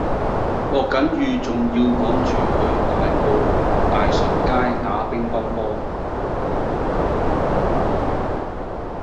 落緊雨仲要趕住去大埔大順街打乒乓波